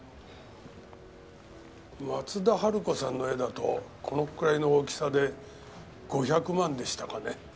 松田春子さんの絵だとこのくらいの大きさで５００万でしたかね。